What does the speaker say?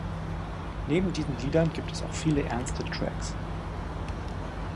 Neben diesen Liedern gibt es auch viele ernste Tracks.